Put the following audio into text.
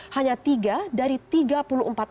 hanya tiga dari tiga penumpang